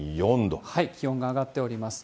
気温が上がっております。